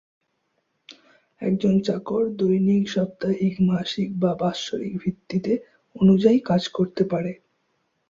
একজন চাকর দৈনিক, সাপ্তাহিক, মাসিক বা বাৎসরিক ভিত্তিতে অনুযায়ী কাজ করতে পারে।